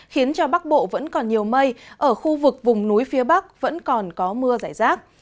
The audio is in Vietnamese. khiến cho bắc bộ vẫn còn nhiều mây ở khu vực vùng núi phía bắc vẫn còn có mưa giải rác